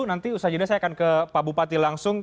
nanti usaha jeda saya akan ke pak bupati langsung